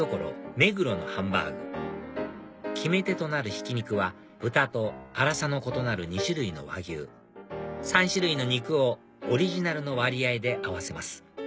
めぐろのハンバーグ決め手となるひき肉は豚と粗さの異なる２種類の和牛３種類の肉をオリジナルの割合で合わせます